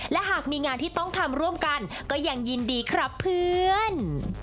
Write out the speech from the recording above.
และหากมีงานที่ต้องทำร่วมกันก็ยังยินดีครับเพื่อน